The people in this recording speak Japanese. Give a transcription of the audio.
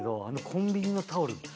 あのコンビニのタオル